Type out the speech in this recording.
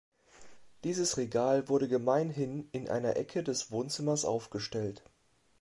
Dieses Regal wurde gemeinhin in einer Ecke des Wohnzimmers aufgestellt.